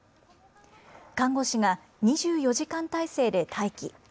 看護師が２４時間体制で待機。